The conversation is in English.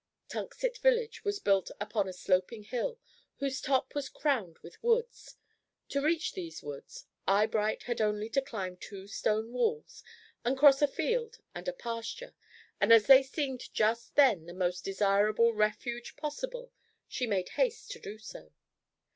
Tunxet village was built upon a sloping hill whose top was crowned with woods. To reach these woods, Eyebright had only to climb two stone walls and cross a field and a pasture, and as they seemed just then the most desirable refuge possible, she made haste to do so.